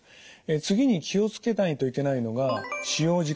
次に気を付けないといけないのが使用時間ですね。